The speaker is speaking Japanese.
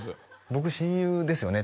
僕親友ですよね？